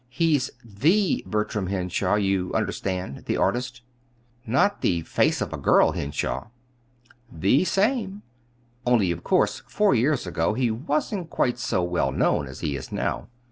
He's the Bertram Henshaw, you understand; the artist." "Not the 'Face of a Girl' Henshaw?" "The same; only of course four years ago he wasn't quite so well known as he is now.